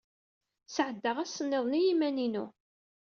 Sɛeddaɣ ass niḍen i yiman-inu.